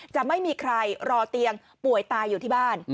จะไม่มีใครรอเตียงป่วยตายอยู่ที่บ้าน